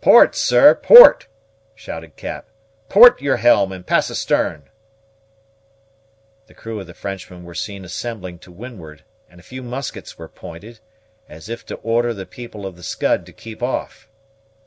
"Port, sir, port," shouted Cap. "Port your helm and pass astern!" The crew of the Frenchman were seen assembling to windward, and a few muskets were pointed, as if to order the people of the Scud to keep off.